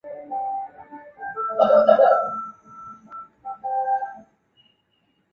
现任系主任为郭明湖。